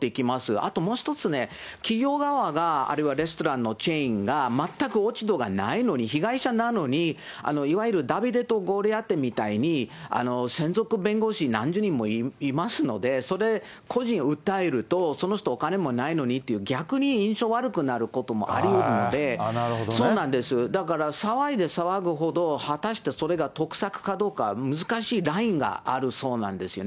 あともう一つね、企業側が、あるいはレストランのチェーンが、全く落ち度がないのに、被害者なのに、いわゆるダビデとゴリアテみたいに専属弁護士何十人もいますので、それ、個人を訴えると、その人、お金もないのにっていう逆に印象悪くなることもありうるので、だから、騒いで騒ぐほど、果たしてそれが得策かどうか、難しいラインがあるそうなんですよね。